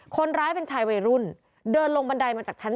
คนร้ายเป็นชายวัยรุ่นเดินลงบันไดมาจากชั้น๓